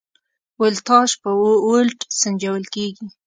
ولتاژ په ولټ سنجول کېږي.